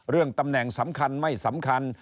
เรื่องตำแหน่งสำคัญไม่สำคัญ